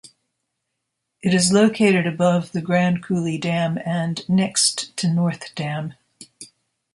It is located above the Grand Coulee Dam and next to North Dam.